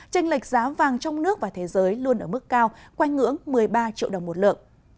tranh lệch giá vàng trong nước và thế giới luôn ở mức cao quanh ngưỡng một mươi ba triệu đồng một lượng